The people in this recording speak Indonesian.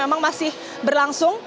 memang masih berlangsung